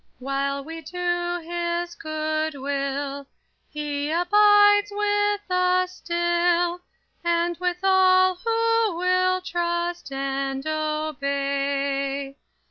While we do His good will, He abides with us still, And with all who will trust and obey.